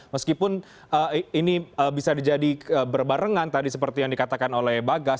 meskipun ini bisa jadi berbarengan tadi seperti yang dikatakan oleh bagas